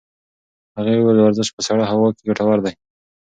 هغې وویل ورزش په سړه هوا کې ګټور دی.